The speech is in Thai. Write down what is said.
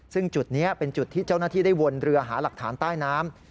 ซึ่งจุดนี้เป็นจุดที่เจ้าหน้าที่ได้วนเรือหาหลักฐานใต้น้ำ